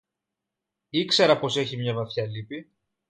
Ήξερα πως έχει μια βαθιά λύπη